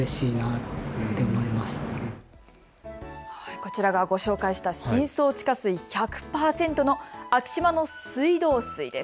こちらがご紹介した深層地下水１００％の昭島の水道水です。